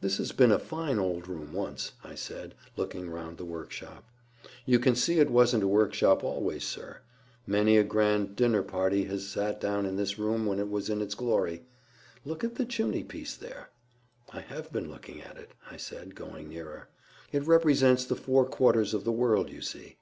"This has been a fine old room once," I said, looking round the workshop. "You can see it wasn't a workshop always, sir. Many a grand dinner party has sat down in this room when it was in its glory. Look at the chimney piece there." "I have been looking at it," I said, going nearer. "It represents the four quarters of the world, you see."